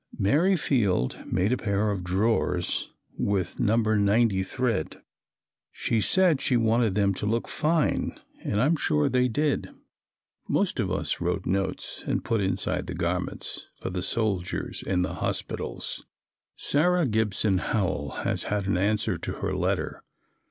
Mary Field made a pair of drawers with No. 90 thread. She said she wanted them to look fine and I am sure they did. Most of us wrote notes and put inside the garments for the soldiers in the hospitals. Sarah Gibson Howell has had an answer to her letter.